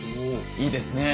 いいですね！